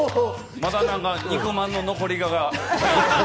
まだ肉まんの残り香が。